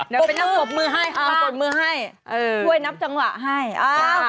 เดี๋ยวไปกับมือให้ค่ะเปิดมือให้ช่วยนับสังหราให้ค่ะ